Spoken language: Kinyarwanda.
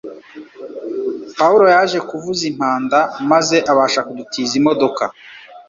Pawulo yaje kuvuza impanda maze abasha kudutiza imodoka